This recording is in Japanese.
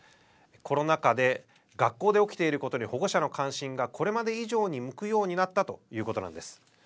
コロナ禍で学校で起きていることに保護者の関心が、これまで以上に向くようになったということなんです。